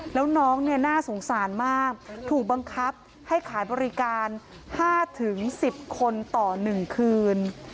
แล้วน้องเนี่ยน่าสงสารมากถูกบังคับให้ขายบริการห้าถึงสิบคนต่อหนึ่งคืน